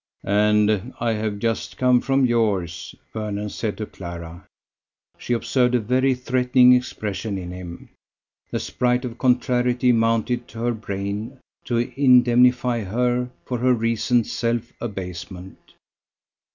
"And I have just come from yours." Vernon said to Clara. She observed a very threatening expression in him. The sprite of contrariety mounted to her brain to indemnify her for her recent self abasement.